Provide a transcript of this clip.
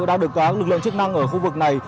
đã được các lực lượng chức năng ở khu vực này